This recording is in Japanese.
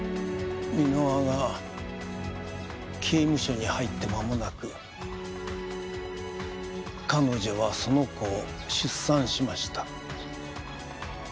箕輪が刑務所に入ってまもなく彼女はその子を出産しました。